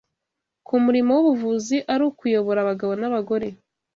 k’umurimo w’ubuvuzi ari ukuyobora abagabo n’abagore